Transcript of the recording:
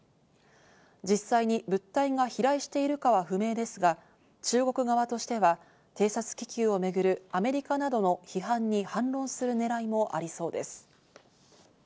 実際に物体が飛来しているかは不明ですが、中国側としては、偵察気球を巡るアメリカなどの批判に反論するねらいもありそうです。